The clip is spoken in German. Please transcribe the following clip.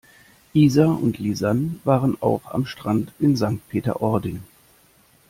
Isa und Lisann waren auch am Strand in Sankt Peter-Ording.